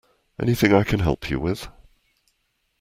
Anything I can help you with?